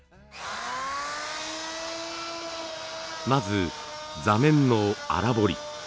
まず座面の荒彫り。